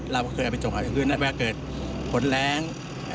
เราเคยเอาไปจงกล่อพื้นแล้วเวลาเกิดผลแรง